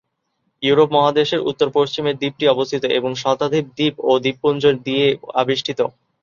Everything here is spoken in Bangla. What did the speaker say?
ইউরোপ মহাদেশের উত্তর পশ্চিমে দ্বীপটি অবস্থিত এবং শতাধিক দ্বীপ ও দ্বীপপুঞ্জ দিয়ে আবেষ্টিত।